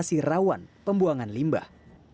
di lokasi rawan pembuangan limbah